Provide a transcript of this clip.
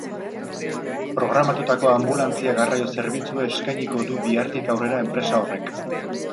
Programatutako anbulantzia-garraio zerbitzua eskainiko du bihartik aurrera enpresa horrek.